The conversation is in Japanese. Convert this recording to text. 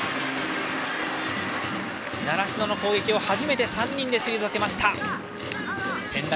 習志野の攻撃を初めて３人で退けました。